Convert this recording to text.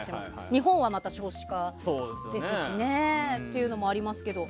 日本はまた少子化ですしね。というのもありますけど。